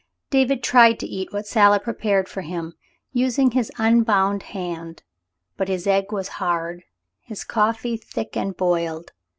David tried to eat what Sally prepared for him, using his unbound hand; but his egg was hard, his coffee thick and boiled.